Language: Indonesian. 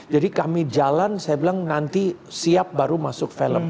jadi kami jalan saya bilang nanti siap baru masuk film